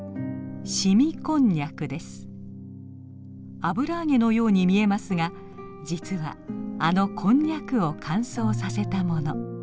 油揚げのように見えますが実はあのこんにゃくを乾燥させたもの。